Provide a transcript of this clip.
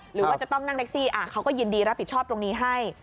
หรือว่าจะต้องนั่งแท็กซี่เขาก็ยินดีรับผิดชอบตรงนี้ให้